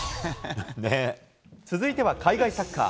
続いては海外サッカー。